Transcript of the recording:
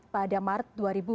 pada maret dua ribu dua puluh